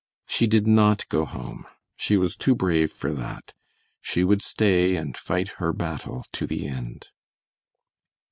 She did not go home. She was too brave for that. She would stay and fight her battle to the end.